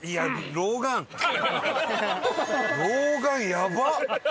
老眼やばっ！